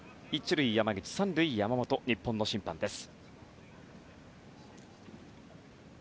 １塁、山口、３塁、山本という日本の審判です。